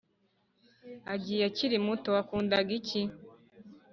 agiye akiri muto wakundaga iki ....